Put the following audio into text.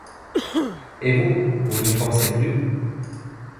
Et vous, vous n’y pensez plus ?